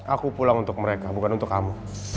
aku pulang untuk mereka bukan untuk kamu